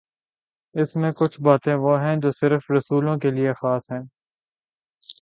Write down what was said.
اس میںکچھ باتیں وہ ہیں جو صرف رسولوں کے لیے خاص ہیں۔